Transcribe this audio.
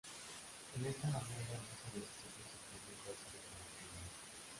En esta maniobra no se necesita un sistema inverso de combustible.